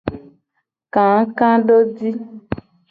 Kakadoji.